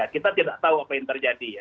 kita tidak tahu apa yang terjadi ya